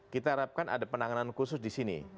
kita harapkan ada penanganan khusus di sini